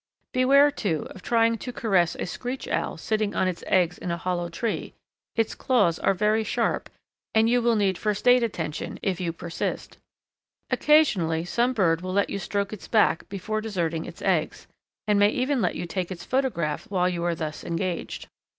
Beware, too, of trying to caress a Screech Owl sitting on its eggs in a hollow tree; its claws are very sharp, and you will need first aid attention if you persist. Occasionally some bird will let you stroke its back before deserting its eggs, and may even let you take its photograph while you are thus engaged.